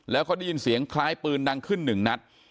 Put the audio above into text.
แล้วเขาได้ยินเสียงคล้ายปืนดังขึ้นหนึ่งนัด